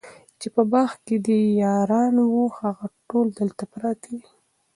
چي په باغ کي دي یاران وه هغه ټول دلته پراته دي